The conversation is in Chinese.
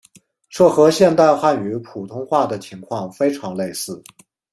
这和现代汉语普通话的情况非常类似。